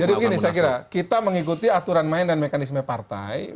jadi begini saya kira kita mengikuti aturan main dan mekanisme partai